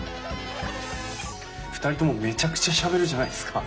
２人ともめちゃくちゃしゃべるじゃないですか。